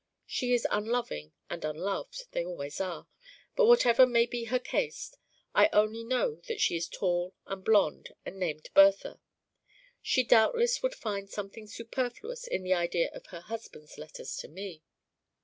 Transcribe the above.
She is unloving and unloved they always are but whatever may be her caste (I know only that she is tall and blonde and named Bertha) she doubtless would find something superfluous in the idea of her husband's letters to me.